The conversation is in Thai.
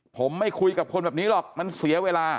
ผมไม่คุยกับคนแบบนี้หรอกมันเสียเวลา